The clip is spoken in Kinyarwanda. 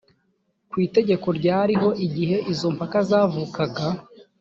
ku itegeko ryariho igihe izo mpaka zavukaga